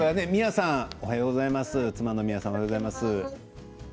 妻のみやさんおはようございます。